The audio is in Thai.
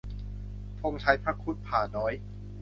ธงชัยพระครุฑพ่าห์น้อย